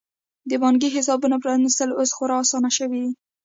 د بانکي حسابونو پرانیستل اوس خورا اسانه شوي دي.